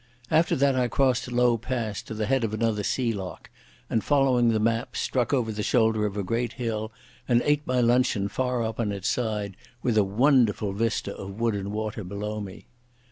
After that I crossed a low pass to the head of another sea lock, and, following the map, struck over the shoulder of a great hill and ate my luncheon far up on its side, with a wonderful vista of wood and water below me.